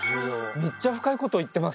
めっちゃ深いこと言ってません？